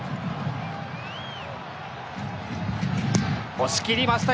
押し切りました！